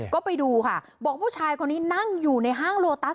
ก็ไปดูค่ะบอกผู้ชายคนนี้นั่งอยู่ในห้างโลตัส